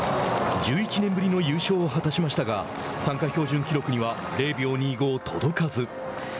１１年ぶりの優勝を果たしましたが参加標準記録には０秒２５届かず。